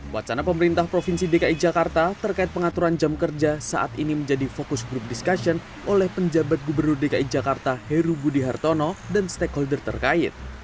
wacana pemerintah provinsi dki jakarta terkait pengaturan jam kerja saat ini menjadi fokus grup diskusi oleh penjabat gubernur dki jakarta heru budi hartono dan stakeholder terkait